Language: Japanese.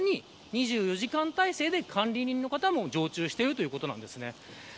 また、こことは別に２４時間体制で管理人の方も常駐しているということです。